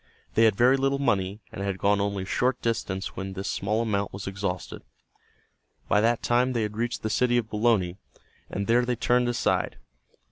They had very little money, and had gone only a short distance when this small amount was exhausted. By that time they had reached the city of Bologna, and there they turned aside.